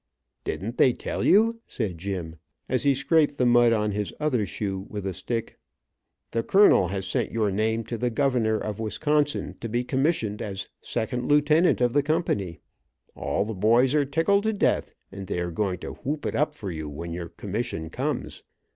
"Didn't they tell you," said Jim, as he scraped the mud on his other shoe with a stick. "The colonel has sent your name to the governor of Wisconsin to be commissioned as second Lieutenant of the company. All the boys are tickled to death, and they are going to whoop it up for you when your commission comes.